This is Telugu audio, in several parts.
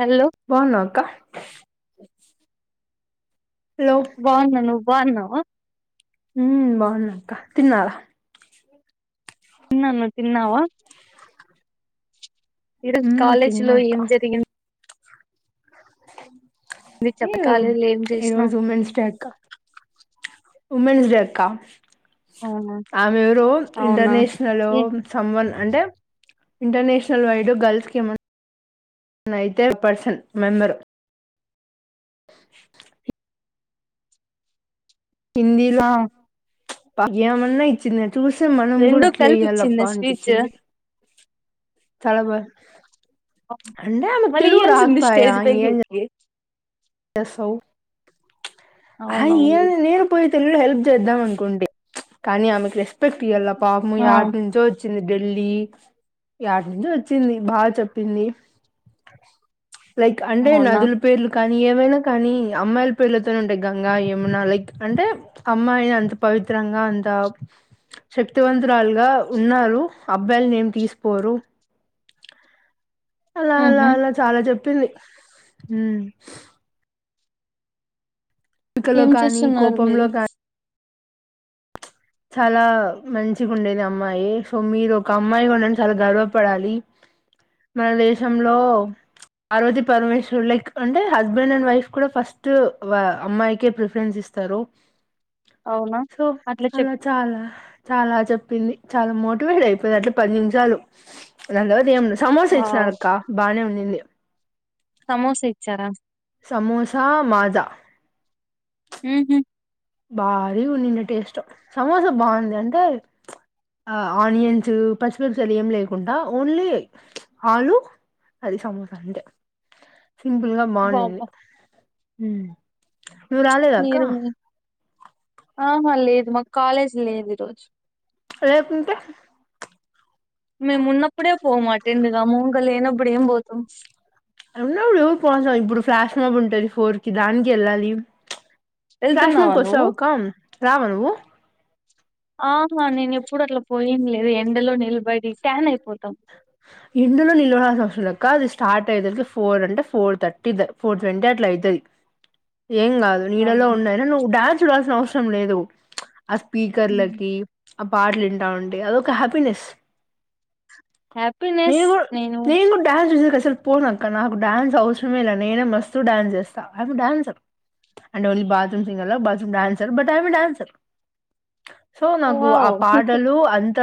హలో బాగున్నావా అక్క హలో బాగునను బావున్నావా హ బాగున్నా అక్క తిన్నాల తిన్నాను తిన్నావా ఈరోజు ఉమ్ కాలేజీ తిన్నా లో ఏం జరిగింది అ అయ చెప్ప కాలేజీ లో ఏం ఈరో చేసినావు రోజు ఉమెన్స్ క్ వుమెన్స్ డ అక్క అవునా ఆమె ఎవరు అవునా ఇంటర్నేషనల్ ఏ సంబంధ అంటే ఇంటర్నేషనల్ వైడు గల్ఫ్ క ముందు ననైతే పర్సన్ మెంబరు హిందీలో ఆ పమన్నా ఇచ్చింది చూసిే మనం కూడా రెండు అట్లే వెయ్యాలప్ప కలిపిచ్చిందా స్పీచ్ అనిపించింది తడబ మళ ఇల్సింది స్టేజ పకికి ఎ సౌ అవునవును అయ్యో నేను పోయ పిల్లలు హెల్ప్ చేద్దాం అనుకుంటే కానీ ఆమెకు రెస్పెక్ట్ ఇయ్యాల పాపం ఆ యడ నుంచో వచ్చింది ఢిల్లీ యడ నుంచి వచ్చింది బాగా చెప్పింది లైక్ అంటే అవునా నదుల పేర్లు కాన్ ఏమైనా కానీ అమ్మాయిల పేర్లతోనే ఉంటాయ్ గంగా యమునా లైక్ అంటే అమ్మాయిని అంత పవిత్రంగా అంత శక్తివంతురాలుగా ఉన్నారు అబ్బాయిలని ఏం తీసిపోరు అలా అల్లా ఉహు అలా చాలా చెప్ పింది కలో ఏం కానీ చేస్తున్నారు మీరు కోపంలో కానీ చాలా మంచిగుండేది అమ్మాయి సో మీరు ఒక అమ్మాయి ఉండడం చాలా గర్వపడాలి మన దేశంలో పార్వతీ పరమేశ్వరులు లైక్ అంటే హస్బెండ్ అండ్ వైఫ్ కూడా ఫస్ట్ వ అమ్మాయికే ప్రిఫరెన్స్ ఇస్తారు అవున సో అట్లా చెప్ చాలా అలా చాలా చెప్పింది చాలా మోటివేట్ అయిపోయ అట్ల పది నిమిషాలు దాని తర్వాత ఏం ఉండదు సమోసా వావ్ ఇచ్చినాడక్క బానే ఉండింది సమోసా ఇచ్చారా సమోసా మజా ఉహూమ్ బారీ ఉండుండే టేస్ట్ సమోసా బావుంది అంటే ఆనియన్స్ పచ్చిమిర్చిలు ఏం లేకుండా ఓన్లీ ఆలు అది సమోసా అంతే సింపుల్గా బావుండింది బాబా హుమ్మ్ నువు రాలేదా అక్క మీరు మీ ఆహా లేదు మాకు కాలేజ్ లేదు ఈరోజు రేపుంటే మేమున్నప్పుడే పోము అటెండ్ గాము ఇంగ లేనప్పుడు అప్పుడేం పోతాం అన్నప్పుడు ఎవరు పోసాం ఇప్పుడు ఫ్లాష్ మబ ఉంటది ఫోర్ కి దానికి వెళ్ళాలి ఫ్లాష్ వెళ్తున్నావా మ్యాన్ నువ్వు? కోస్తావ అక్క రావ నువ్వు ఆహా నేను ఎప్పుడు అట్లా పోయింది లేదు ఎండలో నిలబడి టాన్ అయిపోయితా ఎండలో నిలబడాల్సిన అవసరం లే కాదు స్టార్ట్ అయ్యేసరికి ఫోర్ అంటే ఫోర్ థర్టీద ఫోర్ ట్వంటీ అట్లా అయితది ఏం కాదు నీడలో అవును. ఉండైనా నువ్వు డాన్స్ చూడాసినవసరం సరం లేదు ఆ హ్మ్. స్పీకర్లకి ఆ పాటలు వింటా ఉంటి అదొక హ్యాపీనెస్ నేను కూడ్ నేను కూడ్ డ్యాన్ వేసే కచ్చితంగా అసలు పోనాక నాకు డాన్స్ అవసరమే లే నేనే మస్తు డాన్స్ చేస్తా I'm a dancer and only bathroom singer లో bathroom dancer but I'm a dancer so నాగు ఆ వావ్! పాటలు అంత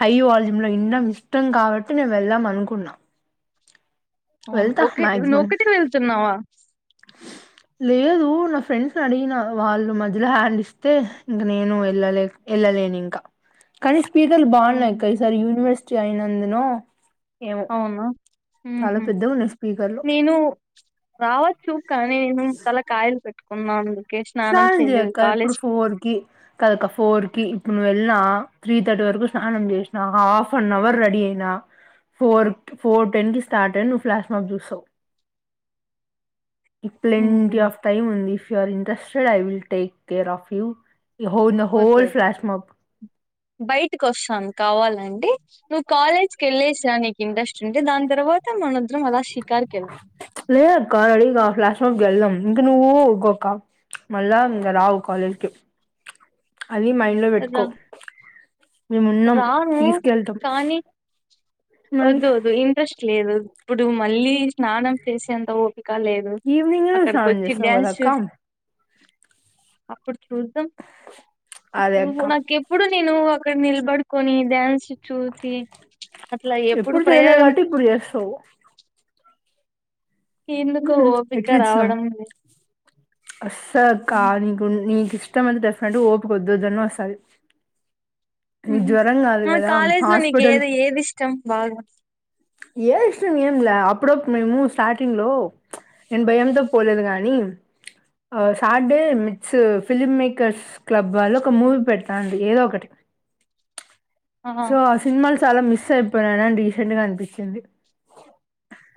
హై వాల్జింలో వినడం ఇష్టం కాబట్టి నేను వెళ్దాం అనుకున్నా అవును వెళ్తా ఒకే నొ మాక్సిమం ఒకటికి వెళ్తున్నావా లేదు నా ఫ్రెండ్స్ని అడిగిన వాళ్ళు మధ్యలో హ్యాండ్ ఇస్తే ఇంక నేను వెళ్ళలే వెళ్ళలేని ఇంకా కనీ పీదలు అవును. బాగున్నాయిక్క ఈసారి యూనివర్సిటీ జైనందను అవునా ఉహు పెద్దగున్నాయి స్పీకర్లు నేను రావచ్చ చూ కానీ తల కాయలు పె ఉన్నాండి స్నానం చేయక ఇప్పుడు ఫోర్ కి కదక ఫోర్ కి ఇప్పుడు వె వె త్రీ థర్టీ వరకు స్నానం చేసిన, హాఫ్ అన్ అవర్ రెడీ అయినా, ఫోర్ ఫోర్ టెన్ కి స్టార్ట్ అయి నువ్వు ఫ్లాష్మాఫ్ చూస్తావు ప్లెంటిీ హ్మ్. ఆఫ్ టైమ్ ఉంది if you are interest I will take care of you ఓదదు బయటికి వస్తాను కావాలండి నువ్ కాలేజ్ కెల్లేసరా నీ ఇంట్రే టే దాని తర్వాత మన ఇద్రం మలా అల సికారకి వెళ్దాం లేదక్క రెడీగా ఫ్లాష్ మాబ్కి వెళ్దాం ఇంకా నువ్వుగకా మళ్ళా ఇక రావు కాలెజ్ కి అన్ని మైండ్లో పెట్టుకో రా మేమున్నాం రాను తీసుకెళ్తాం కానీ మరి వద్దు అది ఇంట్రెస్ట్ లేదు ఇప్పుడు మళ్ళీ స్నానం చేసేంత ఓ ఇక లేదు ఈవినింగ్ అక్కడికి స్నానం వచ్చి చేస్తావు కదా డ్యాన్స్ అక్క చు చూద్దాం అదే అక్క ఇప్పుడు [inaudible] నాకి ఎప్పుడు నిను అక్కడ నిల్ పడుకోని డ్యాన్స్ చూసి అట్లా ఎప్పుడు చేయలే ప్రయోగం కాబట్టి ఇప్పుడు చేస్తావు హ ఎందుకో హ ఓపిక ఎట్లిచ్చినవ్ రావడం లేదు అసలక్క నీకు నీకు ఇష్టం అంటే డెఫినెట్గా ఓపిక వద్దువదన్న వస్తాది కాలేజ్ లో నీకు హాస్పిటల్ ఏది ఏది ఇష్టం బాగా ఏ ఏం లా అప్పుడు అప్పుడు మేము స్టార్టింగ్ లో నేను భయంతో పోలేదు కాని ఆ Saturday meets film makers club వాళ్ళు ఒక మూవీ పెడతాండిరి ఏదో ఒకటి సో ఆ సినిమాల్స్ చాలా మిస్ అయిపోయన అండి ఈ సినిమా అనిపించింది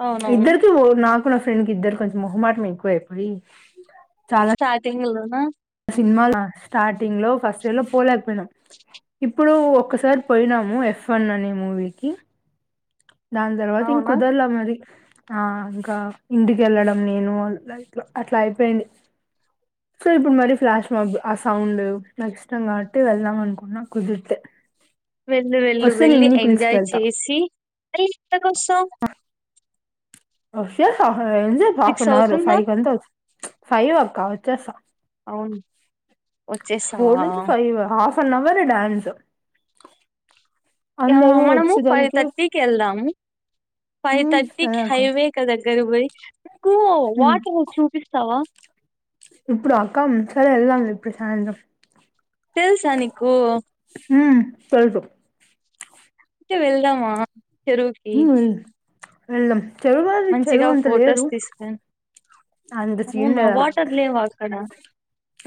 అవునవును ఇద్దరీతో ఓవర్ నాక్ నా ఫ్రెండ్ కి ఇద్దరికీ కొంచెం మొహమాటం ఎక్కువ అయిపోయి స్టార్టింగ్ లో మాస్క్ సినిమాలా స్టార్టింగ్ లో ఫస్ట్ డే లో పోలేం పోయినాం ఇప్పుడొ ఒక్కసారి పోయినాము ఎఫ్ వన్ అనే మూవీకి దాని తర్వాత ఇంకా అవునా కుదరలే మరి ఆ ఇంకా ఇంటికి వెళ్ళడం నేను అట్లా ఇట్లా అట్లా అయిపోయింది సో ఇప్పుడు మరీ ఫ్లాష్ బ్యాక్ ఎ ఆ సౌండ్ నాకు ఇష్టం కాబట్టి వెళ్దాం అనుకుంటున్నా కుదిరితే వెళ్ళు వెళ్ళు వస్తే వెళ్ళి నిన్ని ఎంజాయ్ పిలుచుకెళ్తా చేసి ఏయ్ నిద్ర వస్తాంది వచ్చేస్తాం ఆ ఎంది హాఫ్ సిక్స్ నవర్ అవుతుందా ఫైవ్ కి అంత వచ్చే ఫైవ్ అక్కా వచ్చేస్తా అవును ఫోర్ వచ్చేస్తావా నుంచి ఫైవ్ హాఫ్ అన్ అవరె డాన్స్ ఆ అందరూ మనము ఫైవ్ వచ్చేదలికి థర్టీకి వెళ్దాము ఫైవ్ ఉమ్ సరే థర్టీకి హైవి అక్క దగ్గరకు పోయి నాకు వాటర్ చూపిస్తావా ఇప్పుడా అక్కా సరే వెళ్దా ఇప్పుడు సాయంత్రం తెలుసా నీకు ఉమ్ తెలుసు అంటే వెళ్దామా చెరువుకి వెళ్దాం చెరువు అది మంచిగా చెరువు అంత లేదు ఫొటోస్ తీసుకొని అంత సీన్ అవునా లేదు ఆడ వాటర్ లేవా అక్కడ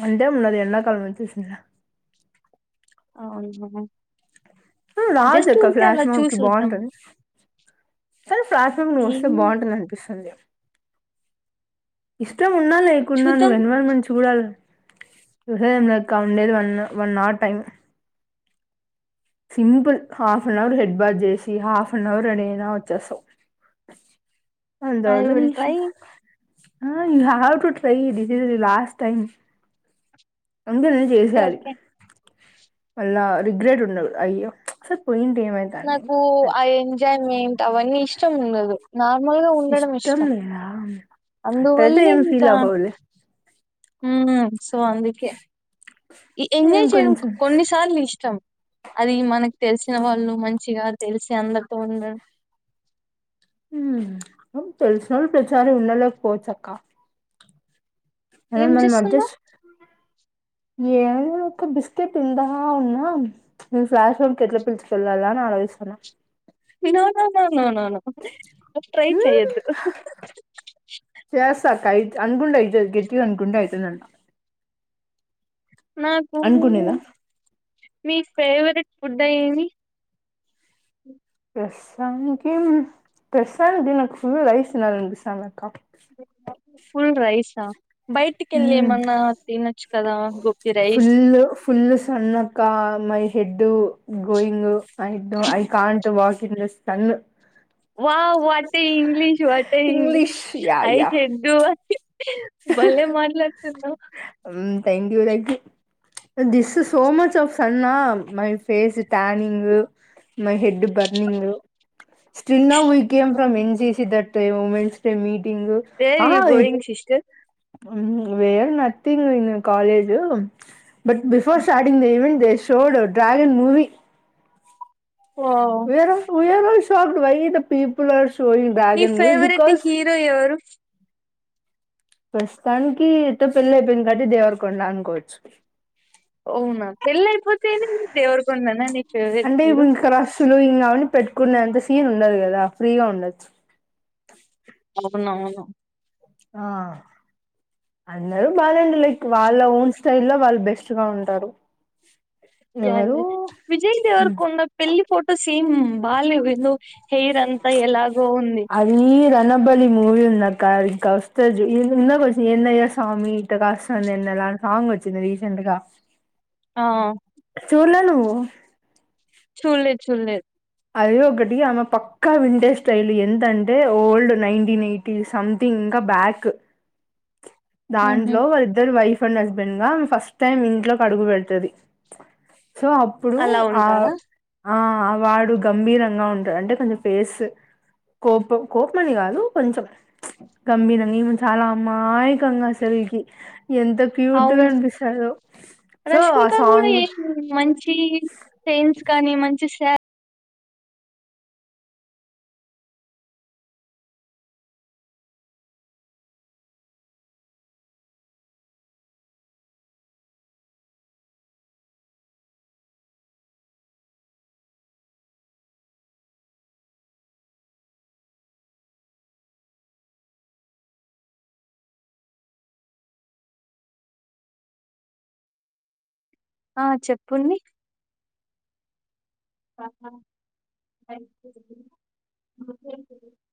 అంతేమీ ఉండదు ఎండాకాలం వచ్చేసింది కదా అవును రాజక్క ఫ్లాష్ మాకి వద్దాం బాగుంటుంది సరే ప్లాస్మాకు నువ్ వస్తే ఏమో బాగుంటుంది అనిపిస్తుంది ఇష్టం ఉన్నా లేకున్నా నువ్వు చూద్దాం ఎన్విరాన్మెంట్ చూడాలి వివసా కా ఉండేది one one hour time simple half an hour head wash చేసి హాఫ్ అన్ అవర్ అనేనా వచ్చేస్తాం ఐ అందవుదా విల్ నిష ట్రై ఆ యయు హవ్ టు ట్రై ఇదిది లాస్ట్ టైమ్ అందుందు చేస ఓకే మళ్ళా రిగ్రెట్ ఉండదు అయ్య సార్ పోయి నాకు ఆఐ ఎంజాయ్మెంట్ అవన్నీ ఇష్టం ఉండదు నార్మల్ గా ఉండడం ఇష్టం లేద అట్లయితే అందువల్ల ఇంకేం ఫీల్ అవ్వవులే హ సో అందుకే నేను ఎంజాయ్ చేయడం కొంచెం కొన్నిసార్లు ఇష్టం అది మనకు తెలిసిన వాళ్ళు మంచిగా తెలిసి అందరితో ఉండ తెలిసిన వాళ్ళు ప్రచారి ఉండలేకపోవచ్చ అక్క ఏం మనల్ని మనం చేస్తున్నావ్ అడ్జస్ట్ ఏ ఒక బిస్కెట్ ఉంద ఉన్నాను ఫ్లాష్ ఫోర్డ్ ఎట్లా పిల్చుకు వెళ్ళాల ఆలోచిస్తాన్నా వినోద నో నోట్రై మ్మ్ చెయదు అందకుం అయితు గట్టిగా అనుకుం అయితుందన్న నాకు అనుకునేదా మీ ఫేవరెట్ ఫుడ్ ఏది దానికి ప్రస్తుతానికి ప్రస్తుతానికి నాకు ఫుల్ రైస్ కలవాలి అనిపిస్తానంది క్క ఫుల్ రైసా బయటికెళ్ళి మ్ ఏమన్నా తినొచ్చు కదా గోపి రైస్ ఫుల్ ఫుల్ సన్నక my head E going I do I can't walk చిన్న స్ తన్న వా what a English what a English English yeah అయి యా చెడ్డూ భలేె మాట్లాడుతున్నావ్ మ్ thank thank you, this so much of sun హా my face tanning, my head burning, still game from M C C that thing where are you ఇది గోయింగ్ సిస్టర్ వేర్ నత్తీంగ్ ఇంగ college but before starting the even దేశ్ చూడు dragon movie wow VR VR all so white peoples నీ ఫేవరెట్ హీరో ఎవరు ప్రస్తుతానికి ఎట్ట పెళ్లి అయిపోయింది కాబట్టి దేవరకొండ అనుకోవచ్చు అవునా పెళ్లి అయిపోతేనేమీ దేవరికొండనా నీ ఫేవరెట్ హీరో కున్నంత సీన్ ఉండదు కదా ఫ్రీగా ఉండొచ్చు నవునవును ఆ అందరూ బానే ఉంటరు లైక్ వాళ్ళ ఓన్ స్టైల్ లో వాళ్ళు బెస్ట్గా ఉంటారు. య ఎవరు య విజయ్ దేవరకొండ పెళ్ళి ఫోటో సేమ్ బాల్య విందు హెయిర్ అంతా ఎలాగో ఉంది ణబలి మూవీ ఉందక్క, అది ఇంకా వస్తది చూ ఇందాక వచ్చే ఏందయ్య స్వామి ఇట్ట కాస్తాంది ఎన్నేల సాంగ్ వచ్చింది రీసెంట్ గా ఆ చూడల నువ్వు చూళ్ళే చూళ్ళే అది ఒకటి ఆమె పక్క వింటేజ్ స్టైల్, ఎంతంటే ఓల్డ్ నైన్టీన్ ఎయిటీస్ సథింగ్ ఇంక బ్యాక్ ఉహు దాంట్లో వాళ్ళిద్దరు వైఫ్ అండ్ హస్బెండ్ గా ఫస్ట్ టైమ్ ఇంట్లోకి అడుగు పెడుతది సో అప్పుడు అలా ఆ ఉంటారా ఆ ఆ వాడు గంభీరంగా ఉంటరు అంటే కొంచెం ఫేస్ కోపం, కోపం అని కాదు కొంచెం గంభీరంగా ఈమే చాలా అమాయకంగా అసలికి ఎంత క్యూట్ గా అవును అనిపిస్తదో సో ఆ రష్మిక కూడా సాంగ్ ఏం మంచి చైన్స్ కానీ మంచి శా ఆ చెప్పండి [unintelligible]